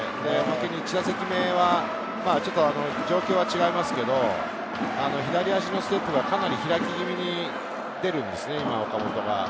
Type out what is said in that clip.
１打席目は、状況は違いますけれど、左足のステップがかなり開き気味に出るんですね、岡本が。